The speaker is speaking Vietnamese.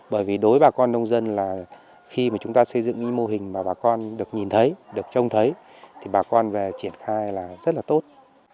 bởi vì đối với bà con nông dân là khi mà chúng ta xây dựng cái mô hình mà bà con được nhìn thấy được trông thấy thì bà con về triển khai là rất là tốt